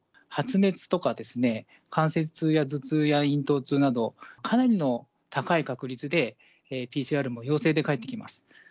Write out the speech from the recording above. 発熱とか関節痛や頭痛や咽頭痛など、かなりの高い確率で、ＰＣＲも陽性で返ってきます。